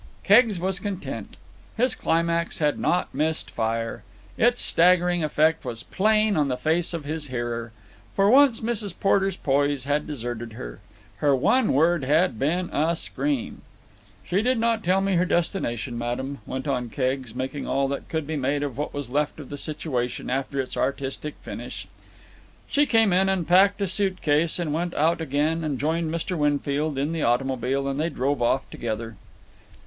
Keggs was content. His climax had not missed fire. Its staggering effect was plain on the face of his hearer. For once Mrs. Porter's poise had deserted her. Her one word had been a scream. "She did not tell me her destination, madam," went on Keggs, making all that could be made of what was left of the situation after its artistic finish. "She came in and packed a suit case and went out again and joined Mr. Winfield in the automobile, and they drove off together."